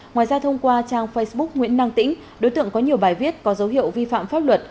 ngoài ra thông qua trang facebook nguyễn năng tĩnh đối tượng có nhiều bài viết có dấu hiệu vi phạm pháp luật